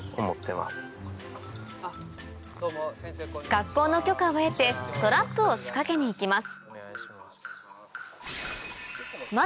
学校の許可を得てトラップを仕掛けにいきます